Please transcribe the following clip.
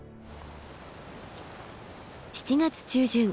７月中旬